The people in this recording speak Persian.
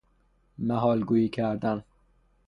محال گوئی کردن